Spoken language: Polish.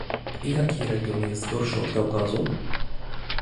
Jaki region jest gorszy od Kaukazu?